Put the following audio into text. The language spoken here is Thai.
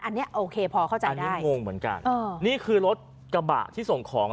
อันนี้โอเคพอเข้าใจอันนี้งงเหมือนกันอ๋อนี่คือรถกระบะที่ส่งของ